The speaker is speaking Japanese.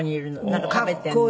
なんか食べているの。